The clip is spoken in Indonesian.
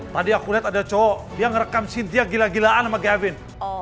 tadi aku lihat ada cowok yang merekam sintia gila gilaan sama gavin